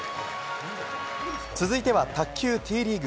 続いては卓球Ｔリーグ。